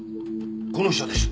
この人です。